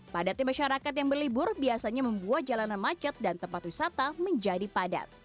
padatnya masyarakat yang berlibur biasanya membuat jalanan macet dan tempat wisata menjadi padat